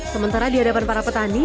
sementara di hadapan para petani